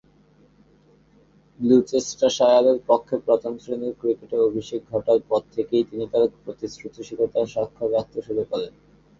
গ্লুচেস্টারশায়ারের পক্ষে প্রথম-শ্রেণীর ক্রিকেটে অভিষেক ঘটার পর থেকেই তিনি তার প্রতিশ্রুতিশীলতার স্বাক্ষর রাখতে শুরু করেন।